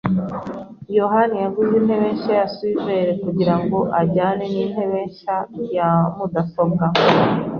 yohani yaguze intebe nshya ya swivel kugirango ajyane nintebe ye nshya ya mudasobwa.